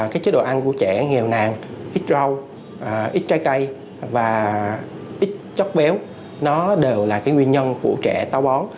cái chế độ ăn của trẻ nghèo nàng ít rau ít trái cây và ít chóc béo nó đều là cái nguyên nhân của trẻ tàu bón